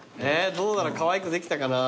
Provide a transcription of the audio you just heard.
どうだろうかわいくできたかな。